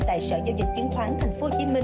tại sở giao dịch chứng khoán tp hcm